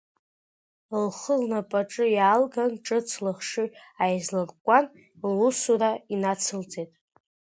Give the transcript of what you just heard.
Лхы лнапаҿы иаалган, ҿыц лыхшыҩ ааизлыркәкәан, лусура инацылҵеит.